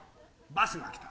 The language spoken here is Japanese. ・バスが来た。